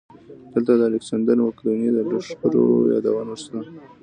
دلته د الکسندر مقدوني د لښکرو یادګارونه شته